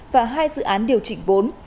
và hai dự án điều chỉnh vốn